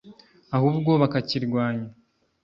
ahubwo bakakirwanya